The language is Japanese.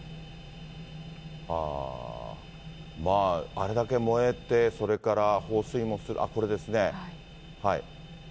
あれだけ燃えて、それから放水もする、あっ、これですね。